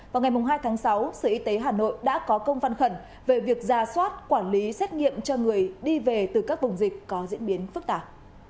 vào ngày hai tháng sáu sở y tế hà nội đã có công văn khẩn về việc ra soát quản lý xét nghiệm cho người đi về từ các vùng dịch có diễn biến phức tạp